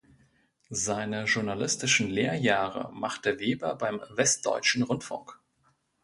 Seine journalistischen Lehrjahre machte Weber beim Westdeutschen Rundfunk.